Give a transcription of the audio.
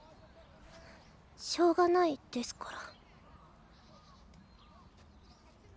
しょうがないですから。